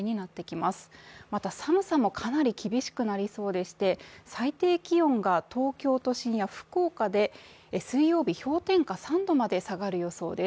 また、寒さもかなり厳しくなりそうでして、最低気温が東京都心や福岡で水曜日、氷点下３度まで下がる予想です。